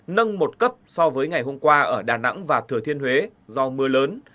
nâng một cấp so với ngày hôm qua ở đà nẵng và thừa thiên huế do mưa lớn